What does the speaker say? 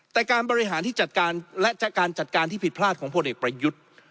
แต่การบริหารที่จัดการและการจัดการที่ผิดพลาดของพลเอกประยุทธ์